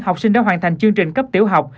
học sinh đã hoàn thành chương trình cấp tiểu học